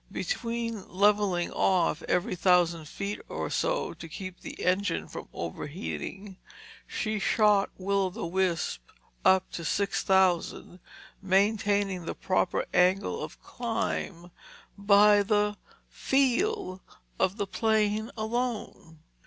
Between leveling off every thousand feet or so, to keep the engine from overheating, she shot Will o' the Wisp up to six thousand, maintaining the proper angle of climb by the "feel" of the plane alone.